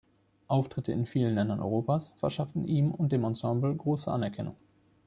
Auftritte in vielen Ländern Europas verschafften ihm und dem Ensemble große Anerkennung.